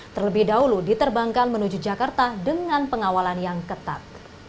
terlebih dahulu diterbangkan menuju jakarta dengan pengawalan yang ketat